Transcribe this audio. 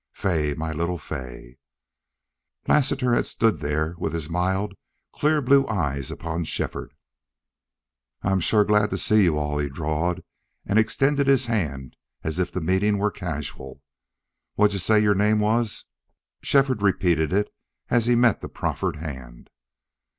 "Fay! my little Fay!" Lassiter had stood there with his mild, clear blue eyes upon Shefford. "I shore am glad to see you all," he drawled, and extended his hand as if the meeting were casual. "What'd you say your name was?" Shefford repeated it as he met the proffered hand.